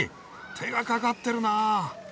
手がかかってるな。